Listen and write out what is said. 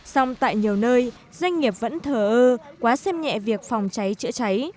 xong tại nhiều nơi doanh nghiệp vẫn thờ ơ quá xem nhẹ việc phòng cháy chữa cháy